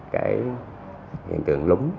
cái hiện tượng lúng